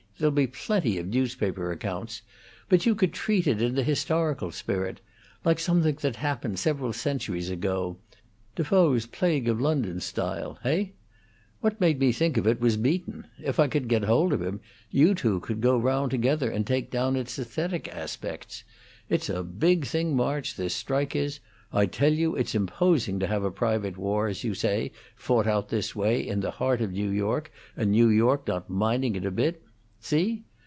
There'll be plenty of newspaper accounts. But you could treat it in the historical spirit like something that happened several centuries ago; De Foe's Plague of London style. Heigh? What made me think of it was Beaton. If I could get hold of him, you two could go round together and take down its aesthetic aspects. It's a big thing, March, this strike is. I tell you it's imposing to have a private war, as you say, fought out this way, in the heart of New York, and New York not minding it a bit. See?